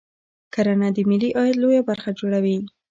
کرنه د ملي عاید لویه برخه جوړوي